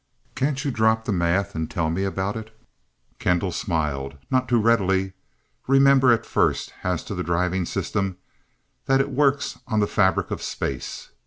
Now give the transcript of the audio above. Can't you drop the math and tell me about it?" Kendall smiled. "Not too readily. Remember first, as to the driving system, that it works on the fabric of space.